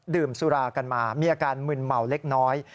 ดื่มสุรากันมามีอาการมึนเมาเล็กน้อย